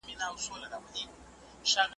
چای په ټوله کې ګټور څښاک دی.